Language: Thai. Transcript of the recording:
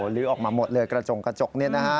หลือออกมาหมดเลยกระจก